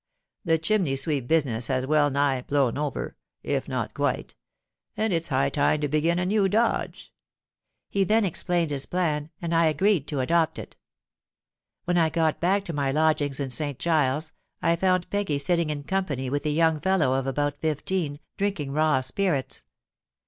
The chimney sweep business has well nigh blown over, if not quite; and it's high time to begin a new dodge.'—He then explained his plan; and I agreed to adopt it. "When I got back to my lodging in St Giles's, I found Peggy sitting in company with a young fellow of about fifteen, drinking raw spirits.